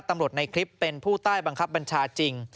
ในคลิปเป็นผู้ใต้บังคับบัญชาจริง